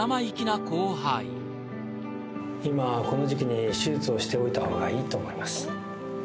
今この時期に手術をしておいた方がいいと思います。